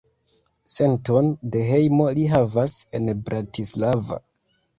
Senton de hejmo li havas en Bratislava.